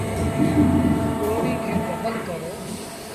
ڏوريٚ کي ڊبل ڪر۔